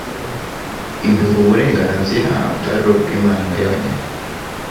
ibihe uburenganzira bwari ubw'Imana yonyine,